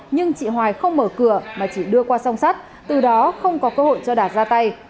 nhưng chị hoài không mở cửa mà chỉ đưa qua song sắt từ đó không có cơ hội cho đạt ra tay